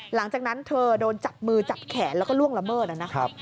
หลังจากนั้นเธอโดนจับมือจับแขนแล้วก็ล่วงละเมิดนะครับ